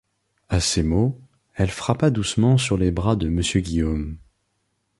À ces mots, elle frappa doucement sur les bras de monsieur Guillaume.